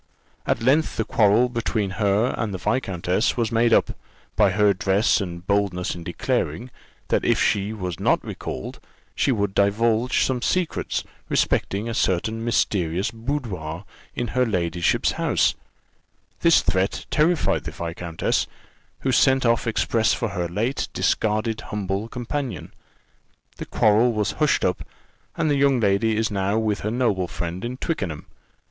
"At length the quarrel between her and the viscountess was made up, by her address and boldness in declaring, that if she was not recalled, she would divulge some secrets respecting a certain mysterious boudoir in her ladyship's house: this threat terrified the viscountess, who sent off express for her late discarded humble companion. The quarrel was hushed up, and the young lady is now with her noble friend at Twickenham.